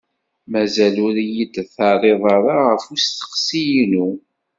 Mazal ur iyi-d-terriḍ ɣef usteqsi-inu.